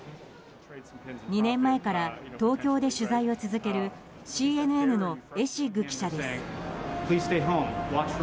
２年前から東京で取材を続けるＣＮＮのエシッグ記者です。